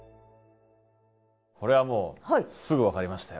これはもうすぐ分かりましたよ。